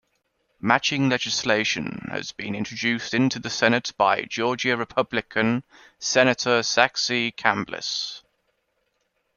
Matching legislation has been introduced into the Senate by Georgia Republican Senator Saxby Chambliss.